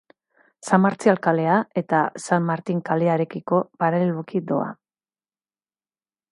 San Martzial kalea eta San Martin kalearekiko paraleloki doa.